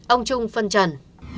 ông trung phân trần